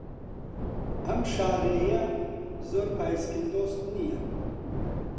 ئەم شاڕێیە زۆر پایسکل دۆست نییە.